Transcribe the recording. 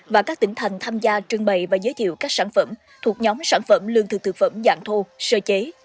và các tỉnh thành tham gia trưng bày và giới thiệu các sản phẩm thuộc nhóm sản phẩm lương thực thực phẩm dạng thô sơ chế